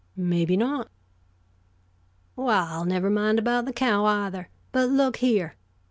"Maybe not." "Well, never mind about the cow, either; but look here.